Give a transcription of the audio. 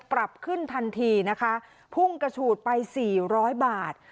ปรับขึ้นทันทีนะคะพุ่งกระฉูดไปสี่ร้อยบาท